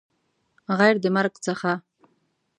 غیر د مرګ څخه